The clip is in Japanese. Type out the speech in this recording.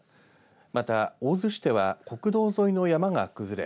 また大洲市では国道沿いの山が崩れ